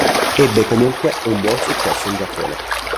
Ebbe comunque un buon successo in Giappone.